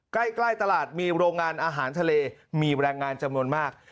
ใกล้ตลาดมีโรงงานอาหารทะเลมีแรงงานจำนวนมาก